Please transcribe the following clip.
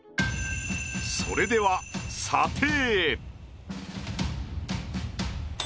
それでは査定。